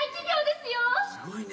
すごいね。